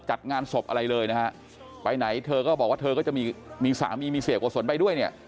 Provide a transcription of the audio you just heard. จัดงานศพอะไรเลยนะฮะไปไหนเธอก็บอกว่าเธอก็จะมีมีสามีมีเสียโกศลไปด้วยเนี่ย